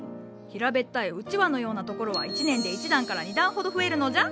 平べったいうちわのようなところは１年で１段から２段ほど増えるのじゃ。